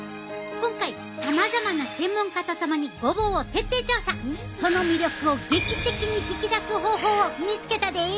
今回さまざまな専門家と共にその魅力を劇的に引き出す方法を見つけたで！